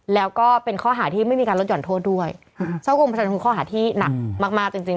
แล้วก็เป็นข้อหาที่ไม่มีการลดห่อนโทษด้วยช่อกงประชาชนคือข้อหาที่หนักมากมากจริงจริง